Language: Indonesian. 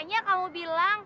iya lah abang